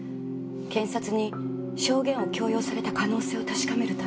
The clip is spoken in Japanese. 検察に証言を強要された可能性を確かめるために。